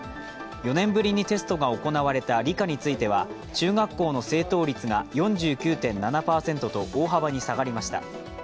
４年ぶりにテストが行われた理科については中学校の正答率が４９．７％と大幅に下がりました。